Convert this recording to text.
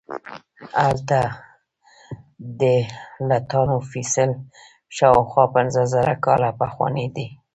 هلته د لټانو فسیل شاوخوا پنځه زره کاله پخوانی دی.